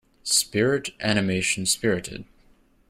Spirit animation Spirited.